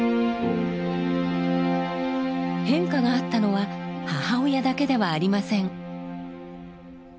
変化があったのは母親だけではありません。